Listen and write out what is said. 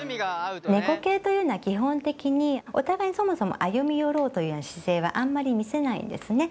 猫系というのは基本的にお互いにそもそも歩み寄ろうという姿勢はあんまり見せないんですね。